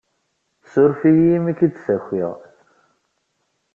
Ssuref-iyi imi i k-id-ssakiɣ.